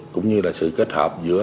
cũng như là sự kết hợp giữa